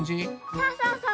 そうそうそう。